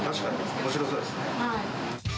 おもしろそうですね。